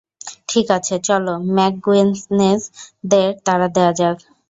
ঠিক আছে, চলো ম্যাকগুইনেস দের তাড়া দেয়া যাক।